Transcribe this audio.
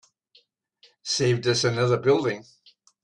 Saved us another building.